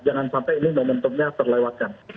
jangan sampai ini momentumnya terlewatkan